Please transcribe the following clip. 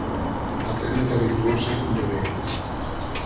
A técnica virtuosa de B.